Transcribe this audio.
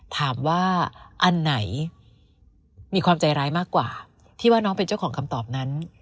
ถามว่าอันไหนมีความใจร้ายมากกว่าที่ว่าน้องเป็นเจ้าของคำตอบนั้น